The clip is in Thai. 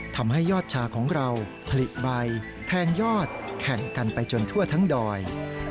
ทำให้ยอดชาของเราผลิตใบแทงยอดแข่งกันไปจนทั่วทั้งดอย